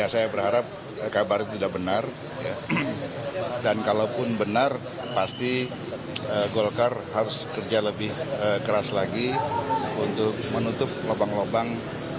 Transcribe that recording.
saya berharap kabar itu tidak benar dan kalaupun benar pasti golkar harus kerja lebih keras lagi untuk menutup lubang lubang